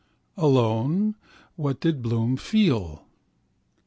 Alone, what did Bloom feel?